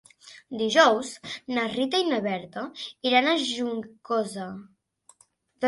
Dijous na Rita i na Berta iran a Juncosa.